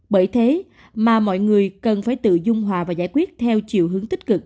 bởi thế mà mọi người cần phải tự dung hòa và giải quyết theo chiều hướng tích cực